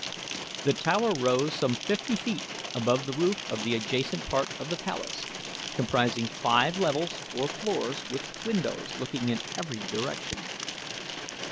The tower rose some fifty feet above the roof of the adjacent part of the palace, comprising five levels or floors with windows looking in every direction.